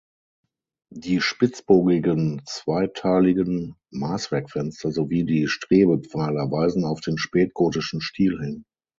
Die spitzbogigen zweiteiligen Maßwerkfenster sowie die Strebepfeiler weisen auf den spätgotischen Stil hin.